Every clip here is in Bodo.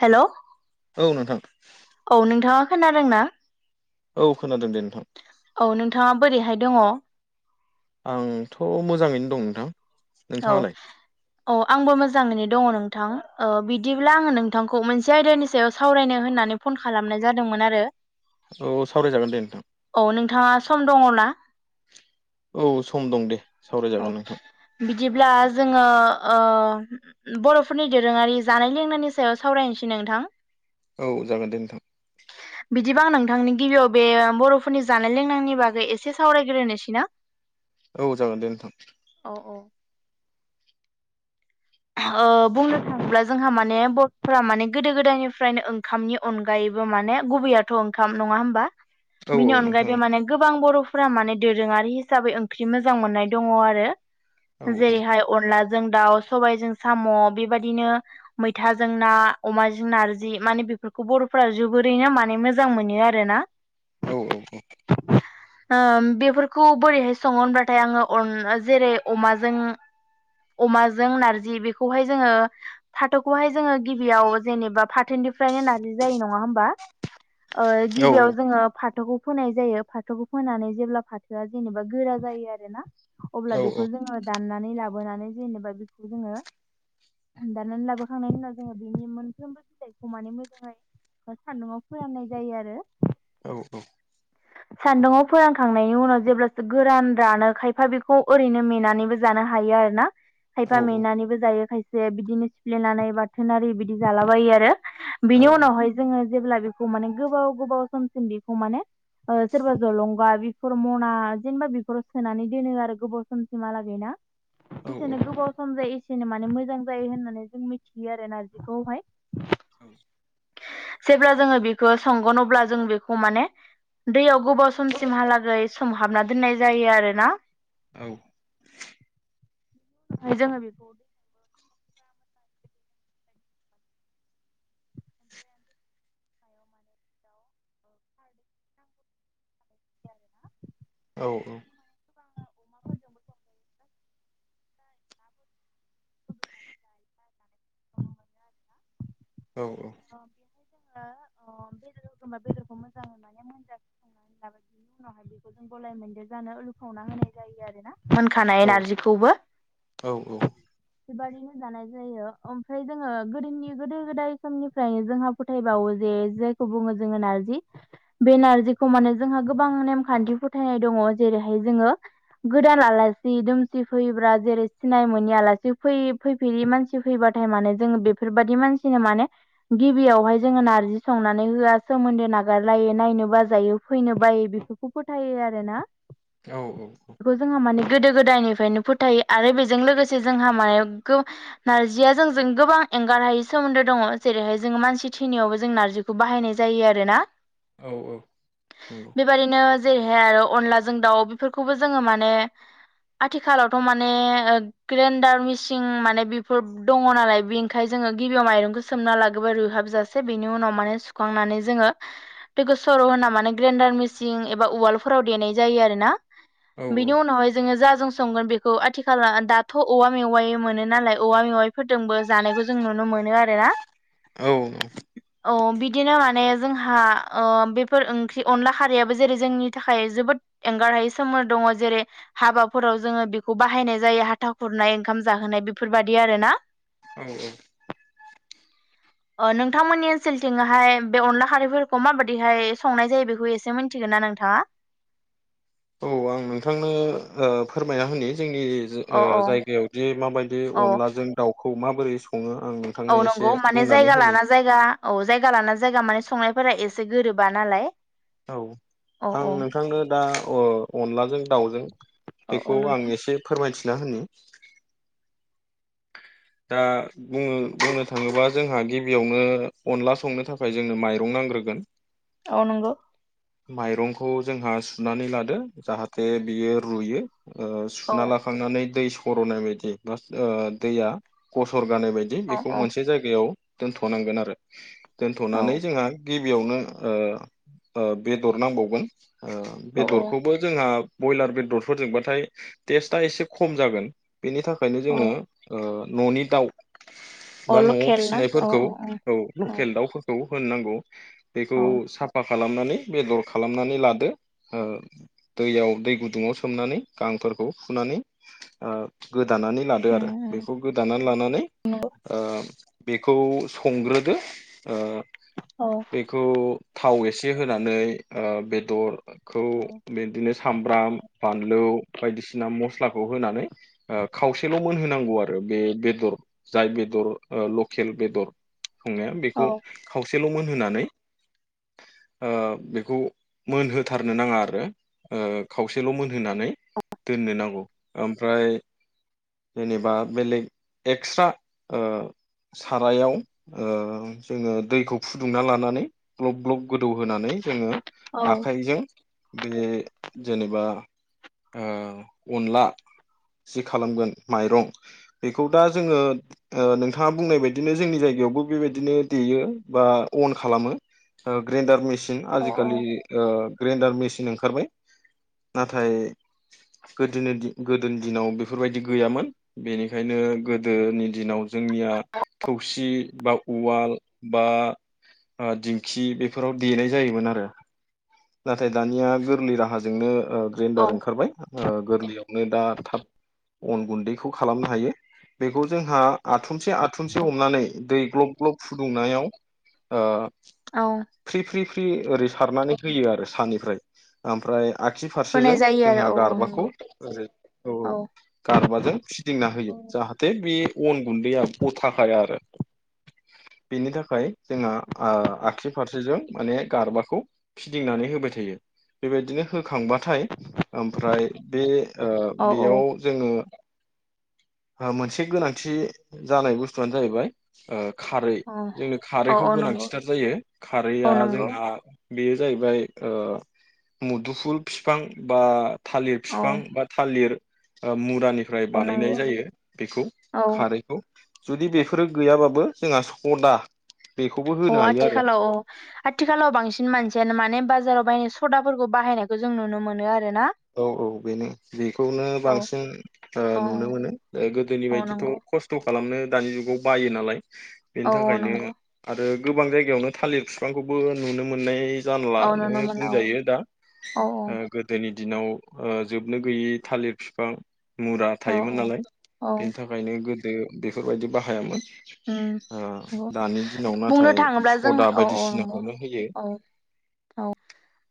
हेलौ औ नोंथां। औ नोंथाङा खोनादोंना? औ खोनादों दे नोंथां। औ नोंथाङा बोरैहाय दङ? आंथ' मोजाङैनो दं नोंथां। औ नोंथाङालाय औ आंबो मोजाङैनो दङ नों थां बिदिब्ला आङो नोंथांखौ मोनसे आयदानि सायाव सावरायनो होननानै फन खालामनाय जादोंमोन आरो औ सावरायजागोन दे नोंथां औ नोंथाङा सम दङ ना? औ सम दं दे औ सावरायजागोन नोंथां। बिदिब्ला जोङो ओ बर'फोरनि दोरोङारि जानाय लोंनायनि सायाव सावरायनोसै। नोंथां। औ जागोन दे नोंथां। बिदिबां आं नोंथांनि गिबियाव बे बर'फोरनि जानाय लोंनायनि बागै एसे सावरायग्रोनोसै ना? औ जागोन दे नोंथां। औ औ ओ बुंनो थाङोब्ला जोंहा माने बर'फोरा माने गोदो गोदायनिफ्रायनो ओंखामनि अनगायैबो माने गुबैयाथ' ओंखाम नङा होमबा औ औ बिनि नोंथां अनगायैबो माने गोबां बर' फोरा माने दोरोङारि हिसाबै ओंख्रि मोजां मोननाय दङ आरो औ जेरैहाय अनला जों दाउ सबायजों साम' बेबायदिनो मैथाजों ना अमाजों नारजि माने बेफोरखौ बर'फोरा जोबो रैनो माने मोजां मोनो आरोना। औ ओम बेफोरखौ बोरैहाय सङो होनबाथाय आङो अन जेरै अमाजों अमाजों नारजि बे खौहाय जोङो फाथोखौहाय जोङो गिबियाव जेनेबा फाथोनिफ्रायनो नारजि जायो नङा होमबा ओ गिबियाव जोङो फाथोखौ फोनाय जायो फाथोखौ फोनानै जेब्ला फाथोआ जेनेबा गोरा जायो आरो ना अब्ला औ बेखौ जोङो दाननानै लाबोनानै जेनेबा बेखौ जोङो दाननानै लाबोखांनायनि उनाव जोङो बिनि मोनफ्रोमबो फिथायखौ माने मोजाङै सान्दुङाव फोराननाय जायो आरो। औ औ। सान्दुङाव फोरानखांनायनि उनाव जेब्लासो गोरान रानो खायफा बेखौ ओरैनो मेनानैबो जा नो हायो आरो ना? औ खायफा औ मेनानैबो जायो खायसे बिदिनो सिफ्लेनानै बाथोन आरि बिदि जालाबायो आरो। बिनि उनावहाय जोङो जेब्ला बेखौ माने गोबाव गोबाव समसिम बेखौ माने ओ सोरबा जलंगा बेफोर मना जेनेबा बेफोराव सोनानै दोनो आरो गोबाव समसिमहालागै ना? औ जेसेनो गोबाव सम जायो एसेनो माने मो जां जायो होननानै जों मिथियो आरो ना नारजिखौहाय औ जेब्ला जोङो बेखौ संगोन अब्ला जों बेखौ माने दैयाव गोबाव समसिमहालागै सोमहाबना दोननाय जायो आरोना। औ ओमफाय जोङो बे औ औ औ अ बेहाय जोङो अम बेदर होगोमबा बेदरखौ मोजां एवनानै मोनजासे संनानै लाबाय बेनि उनाव ओमफाय बेखौ जों गलाय मोनदे जानो लुफावना होनाय जायो आरोना मोनखानाय नारजिखौबो बेबादिनो जानाय जायो ओमफ्राय जोङो गोदोनि गोदो गोदाय समनिफ्रायनो जोंहा फोथायबावो जे जायखौ बुङो जोङो नारजि बे नारजिखौ माने जोंहा गोबां नेमखान्थि फोथायनाय द ङ जेरैहाय जोङो गोदान आलासि दुमसि फैब्रा जेरै सिनाय मोननि आलासि बै फैफेरि मानसि फैबाथाय माने जोङो बेफोरबादि मानसिनो माने गिबियावहाय जोङो नारजि संनानै होआ सोमोन्दो नागारलायो नायनो बाजायो फैनो बायो बेफोरखौ फोथायो आरो ना। औ औ औ गोदो गोदायनिफ्रायनो फोथायो आरो बेजों लोगोसे जोंहा माय गो नारजिया जोंजों गोबां एंगार हायै सोमोन्दो दङ। जेरैहाय जोङो मानसि थैनायाव जों नारजिखौ बाहायनाय जायो आरो ना। औ औ नंगौ। जेरैहाय आरो अनलाजों दाउ बेफोरखौबो जोङो माने आथिखालावथ' माने ओ ग्रेन्डार मिसिं माने बेफोर दङ नालाय बिनखाय जोङो गिबियाव माइरंखौ सोमना लागोबाय रुयहाबजासे बिनि उनाव माने सुखांनानै जोङो दैखौ सर' होना माने ग्रेडार मेसिं एबा उवालफोराव दे नाय जायो आरोना। बिनि उनावहाय जोङो जा जों संगोन बेखौ आथिखाला दाथ' औवा मेवाइ मोनो नालाय औवा मेवाइफोरदोंबो जानायखौ जों नुनो मोनो आरोना। औ औ बिदिनो माने जोंहा ओ बेफोर ओंख्रि अनला खारैयाबो जेरै जोंनि थाखाय जोबोद एंगारहायै सोमोन्द दङ । जेरै हाबाफोराव जोङो बेखौ बाहायनाय जायो हाथा खुरनाय ओंखाम जाहोनाय बेफोरबायाददि आरो ना। औ औ। [inaudible] नोंथांमोननि ओनसोलथिंहाय बे अनला खारैफोरखौ माबाददिहाय संनाय जायो बेखौ एसे मिनथि गौना नोंथाङा? औ आं नोंथांनो ओ फोरमायना होननि जोंनि औ औ जायगायावदि माबायदि औ अनलाजों दाउखौ माबोरै सङो आं औ नोंथांनो एसे नंगौ माने बुंनानै जायगा होनि लाना जायगा औ जायगा लाना जायगा माने संनायफोरा एसे गोरोबा नालाय। औ औ आं औ नोंथांनो दा ओ अनलाजों दाउजों औ औ बेखौ आं नोंथां एसे फोरमायथिना होनि [inaudible] दा बुङो बुंनो थाङोबा जोंहा गिबियावनो अनला संनो थाखाय जोंनो माइरं नां ग्रोगोन औ नंगौ। माइरंखौ जोंहा सुनानै लादो जाहाथे बियो रुयो। औ सुना लाखांनानै दै सर'नाय बायदि बा दैया गसर जानाय बायदि औ बेखौ औ मोनसे जायगायाव दोनथ'नांगोन आरो दोनथ'नानै जोंहा गिबियावनो ओ ओ बेदर नांबावगोन औ बेदरखौबो जोंहा ब्रयलार बेदरफोरजोंबाथाय टेस्टआ एसे खम जागोन। बेनि थाखायनो जोङो औ न'नि दाउ औ बा न'आव लकेल ना औ फिसिनायफोरखौ औ लकेल दाउफोरखौ होनोनांगौ बेखौ औ साफा खालामनानै बेदर खालामनानै लादो दैयाव दै गुदुङाव सोमनानै गांफोरखौ फुनानै ओ गोदानानै लादो आरो बेखौ गोदानानै लानानै नंगौ बेखौ संग्रोदो ओ औ बेखौ थाव एसे होनानै बेदरखौ औ बिदिनो सामब्राम बान लु बायदिसिना मस्लाखौ होनानै खावसेल' मोनहोनांगौ आरो बे बेदर जाय बेदर लकेल बेदर सङो औ बेखौ खावसेल' मोनहोनानै ओ बेखौ मोनहोथारनो नाङा आरो ओ खावसेल' मोनहोनानै दोननो नांगौ। ओमफ्राय जेनेबा बेलेग एक्सट्रा ओ सारायाव ओ जोङो दैखौ फुदुंना लानानै ग्लब ग्लब गो होनानै जोङो औ आखाइजों बे जेनेबा ओ अनला जि खालामगोन माइरं बेखौ दा जोङो ओ नोंथाङा बुंनाय बायदिनो जोंनि जायगा यावबो बेबायदिनो देयो बा अन खालामो ग्रेन्डार मेसिन आजिखालि औ ओ ग्रेन्डार मेसिन ओंखारबाय। नाथाय गोदोनि गोदोनि दिनाव बेफोरबायदि गैयामोन बेनिखायनो गोदोनि दिनाव जोंनि थौसि बा उवाल बा दिंखि बेफोराव देनाय जायोमोन आरो नाथाय दानिया गोरलै राहाजोंनो ओ औ ग्रेन्डार ओंखारबाय ओ गोरलैयावनो दा थाब अन गुन्दैखौ खालामनो हायो बेखौ जोंहा आथुमसे आथुमसे हमनानै दै ग्लब ग्लब फुदुंनायाव औ फ्रि फ्रि फ्रि ओरै सारनानै होयो आरो सानिफ्राय ओमफ्राय आगसि होनाय फारसेजों जायो आरो जोंहा औ औ गारबाखौ नंगौ ओ औ औ। गारबाजों फिदिंना होयो औ जाहाथे बे अन गुन्दैया गथाखा आरो बेनि थाखाय जोंहा आखि बेजों माने गारबाखौ फिदिंनानै होबाय थायो बेबायदिनो होखांबा थाय ओमफ्राय बे ओ औ बेयाव जोङो मोनसे गोनांथि जानाय बुस्थुआनो जाहैबाय ओ खारै जोंनो औ खारैखौ औ नंगौ गोनांथिथार जायो खारैया औ नंगौ जोंहा बेयो जाहैबाय ओ मुदुफुल बिफां बा थालिर औ बिफां बा थालिर मुरानि निफ्राय औ बानायनाय नंगौ जायो बेखौ औ खारैखौ । जुदि बेफोरो गैयाबाबो जोंहा सदा बेखौबो अ होनो हायो आरो। आथिखालाव औ आथिखालाव बांसिन मानसियानो माने बाजाराव बायनाय सदाफोरखौ बाहायनायखौ जों नुनो मोनो आरो। ना औ औ बेनो बेखौनो औ बांसिन ओ औ नुनो मोनो गोदोनि औ बायदिथ नंगौ खस्थ खालामनो दानि जुगाव बायो नालाय बेनि औ औ थाखायनो नंगौ आरो गोबां जायगायावनो थालिर बिफांखौबो नुनो मोननाय जानला औ नो नुनो मोनो औ बुंजायो दा औ गोदोनि दिनाव ओ जोबनो गैयै थालिर बिफां मुरा औ थायोमोन औ नालाय औ बेनि थाखायनो गोदो बेफोरबायदि बाहायामोन। उम नंगौ ओ दानि दिनाव बुंनो नाथाय थाङोब्ला जों सदा औ औ नंगौ बायदिसिनाखौनो होयो। औ औ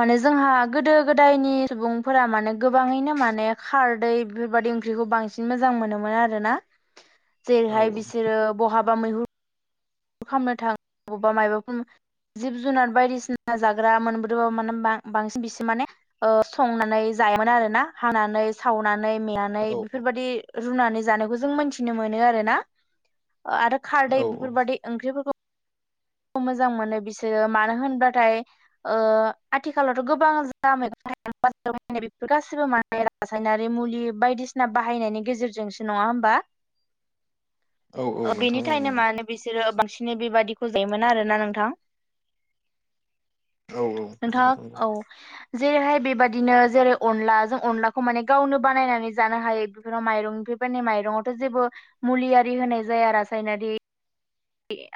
माने जोंहा गोदो गोदायनि सुबुंफोरा माने गोबाङैनो माने खारदै बेफोरबादि ओंख्रिखौ बां बांसिन मोजां मोनोमोन आरोना औ जेरैहाय बिसोरो बहाबा मैहुर खालामनो थाङो बबावबा माबाफोर जिब जुनार बायदिसिना जाग्रा मोनबोदोबाबो माने बांसिन बिसोर माने संनानै जायोमोन आरो ना हानानै सावनानै। नानै मेनानै औ बेफोरबायदि रुनानै जानायखौ जों मोनथिनो मोनो आरोना। आरो खारदै औ बेफोरबादि ओंख्रिफोरखौ मोजां मोनो बिसोरो मानो होनबाथाय ओ आथिखालावथ गोबां जा मैगं [unintelligible] गासिबो माने रासायनारि मुलि बायदिसिना बाहायनायनि गेजेरजोंसो नङा होमबा औ औ बेनि नोंथां औ थाखायनो नंगौ मानो बे बिसोरो बांसिनै बेबायादिखौ जायोमोन आरोना नोंथां। औ नोंथां नंगौ नोंथाङा औ। जेरैहाय बेबायादिनो जेरै अनला जों अनलाखौ माने गावनो बानायनानै जानो हायो बेफोराव माइरं बेबायनि माइरंआवथ जेबो मुलि आरि होनाय जाया रासायनारि।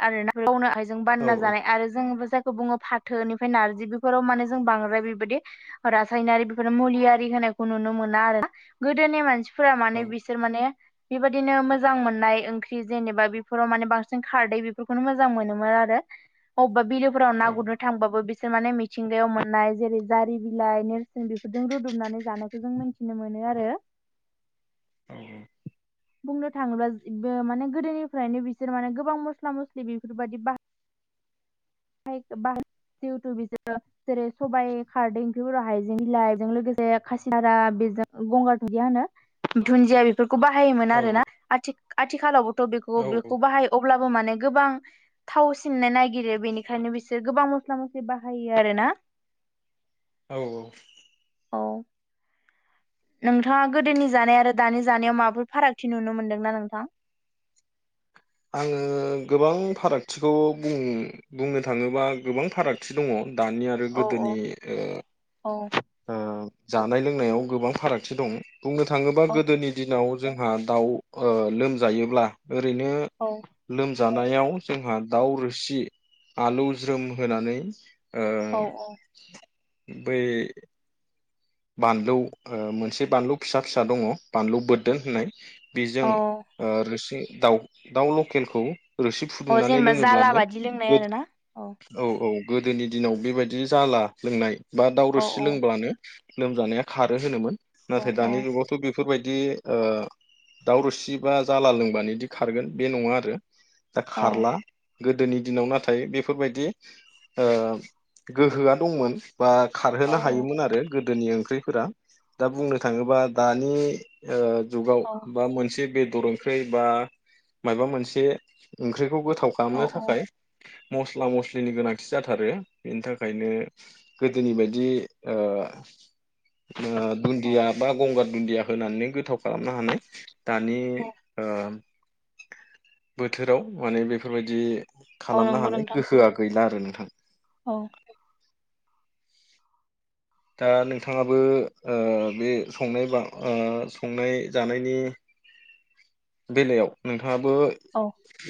आरो ना गावनो जों औ बानना जानाय आरो जोंबो जायखौ बुङो फाथोनिफ्राय नारजि बेफोराव माने जों बांद्राय बेबायदि रासायनारि बेफोर मुलिआरि होनायखौ नुनो मोना आरो गोदोनि मानसि फोरा औ माने बिसोर माने बेबायदिनो मोजां मोननाय ओंख्रि जेनेबा बेफोराव माने बांसिन जों खारदै बेफोरखौनो मोजां मोनोमोन आरो अबेबा बिलोफोराव ना गुरनो थांबाबो बिसोर माने मिथिंगायाव मोननाय जेरै जारि बिलाइ नोरसिं बेफोरजों रुदुमनानै जानायखौ जों मिथि मिथिनो मोनो आरो। औ औ बुंनो थाङोब्लाबो माने गोदोनिफ्रायनो बिसोर माने गोबां मस्ला मस्लि बेफोरबायदि बाहायो [unintelligible] जिहेथु बिसोरो जेरै सबाइ खारदै ओंख्रिफोर हाइजें बिलाइजों लोगोसे खासिहारा बे गंगार दुन्दिया होनो दुन्दिया बेफोर बाहायोमोन आरोना आथि आथिखालावबोथ औ बेखौ बेखौ बाहायो अब्लाबो माने गोबां थावसिननो नागिरो बेनि ओंखायनो बिसोर गोबां मस्ला मस्लि बाहायो आरो ना औ औ औ नोंथाङा गोदोनि जानाय आरो दानि जानायाव माबाफोर फारागथि नुनो मोनदोंना नोंथां? [inaudible] आङो गोबां फारागथिखौ बुं बुंनो थाङोबा गोबां फारागथि दङ दानि आरो औ औ गोदोनि ओ औ ओ जानाय लोंनायाव गोबां फारागथि दं बुंनो थाङोबा औ गोदोनि दिनाव जोंहा दाउ लोमजायोब्ला ओरैनो औ लोमजानायाव जोंहा दाउ रोसि आलु ज्रोम होनानै ओ औ बै बानलु मोनसे बानलु फिसा फिसा दङ बानलु बोददोन होननाय बेजों औ ओ रोसि दाउ दाउ लकेलखौ रोसि औ फुदुंनानै जेनेबा जाला लोङोब्लानो बादि लोंनाय आरो ना औ औ गोदोनि दिनाव बेबायदि जाला लोंनाय बा औ दावरोसि औ लोंब्लानो लोमजानाया खारो होनोमोन औ नाथाय दानि जुगावथ' बे बेफोरबायदि ओ दावरसि बा जाला लोंबानोदि खारगोन बे नङा आरो दा औ खारला गोदोनि दिनाव नाथाय बेफोरबायदि ओ गोहोआ दंमोन बा औ खारहोनो हायोमोन आरो गोदोनि ओंख्रिफोरा दा बुंनो थाङोबा दानि ओ जुगाव बा मोनसे बेदर ओंख्रि बा माबा मोनसे ओंख्रिखौ गोथाव औ खालामनो औ थाखाय मस्ला मस्लिनि गोनांथि जाथारो बेनि थाखायनो गोदोनि बायदि ओ ओ औ दुन्दिया बा गंगार दुन्दिया होनानै गोथाव खालामनो हानाय दानि ओ बोथोराव माने बेफोरबायदि औ खालामनो नंगौ हानाय नोंथां गोहोआ गैला आरो नों औ दा नोंथाङाबो ओ बे संनाय बा ओ संनाय जानायनि [unintelligible] बेलायाव नोंथां नोंथांयाबो औ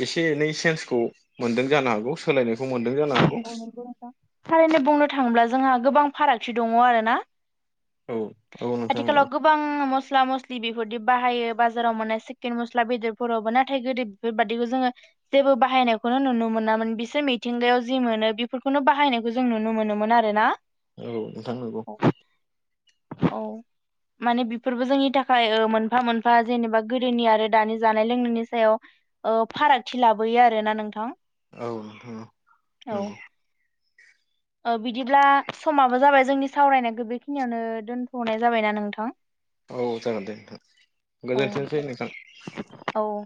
एसे एनै चेन्सखौ मोनदों जानो हागौ सोलायनायखौ मोनदों जानो हागौ औ नंगौ नोंथां थारैनो बुंनो थाङोब्ला जोंहा गोबां फारागथि दङ आरो ना औ औ नोंथां औ आथिखालाव गोबां मस मस्ला मस्लि बेफोरदि बाहायो बाजाराव मोननाय सिकेन मस्ला बेदरफोरावबो नाथाय गोदो बेफोरबादिखौ जोङो जेबो बाहायनायखौनो नुनो मोनामोन बिसोर मिथिंगायाव जि मोनो बेफोरखौनो बाहायनायखौ जों नुनो मोनोमोन आरो ना औ नोंथां नंगौ औ माने बेफोरबो जोंनि थाखाय मोनफा मोनफा जेनेबा गोदोनि आरो दानि जानाय लोंनायनि सायाव ओ फारागथि लाबोयो आरो ना नोंथां औ ओ औ नंगौ ओ बिदिब्ला समाबो जाबाय जोंनि सावरायनायखौ बेखिनियावनो दोनथ'नाय जाबायना नोंथां औ जागोन दे नोंथां गोजोनथोंसै नोंथां औ